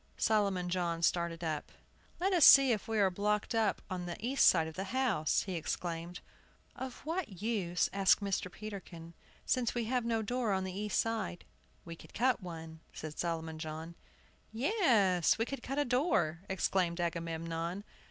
Solomon John started up. "Let us see if we are blocked up on the east side of the house!" he exclaimed. "Of what use," asked Mr. Peterkin, "since we have no door on the east side?" "We could cut one," said Solomon John. "Yes, we could cut a door," exclaimed Agamemnon.